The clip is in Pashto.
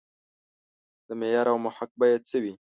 معیار او محک به یې څه وي.